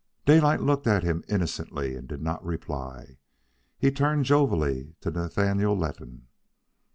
Daylight looked at him innocently and did not reply. He turned jovially to Nathaniel Letton.